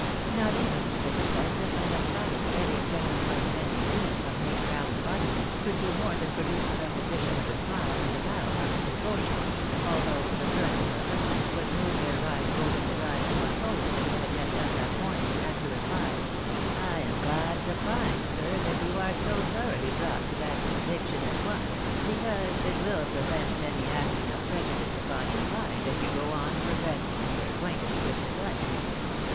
Not even the decisive and emphatic " very gentlemanlike men indeed," of Major Allen Barnaby, could do more than produce a repetition of the smile and the bow from Mrs. Beauchamp; although the colonel, her husband, was moved thereby to open his eyes more fully than he had yet done that morning, and to reply, " I am glad to find, sir, that you are so thoroughly brought to that conviction at once, because it will prevent any acting of prejudice upon your mind as you go on progressing in your acquaintance with the country.